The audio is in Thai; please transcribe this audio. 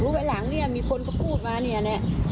รู้ไปหลังเนี่ยมีคนก็พูดมาเนี่ยเนี่ย